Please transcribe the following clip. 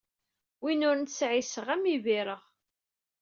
Win ur nesɛi iseɣ, am yibireɣ.